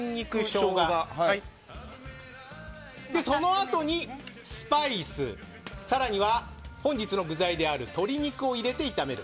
そのあとにスパイス更に本日の具材鶏肉を入れて炒める。